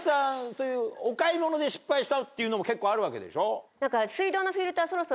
そういうお買い物で失敗したっていうのも結構あるわけでしょ？と思って。